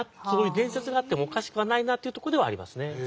そういう伝説があってもおかしくはないなというとこではありますね。